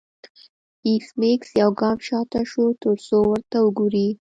ایس میکس یو ګام شاته شو ترڅو ورته وګوري